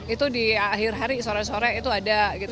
itu di akhir hari sore sore itu ada gitu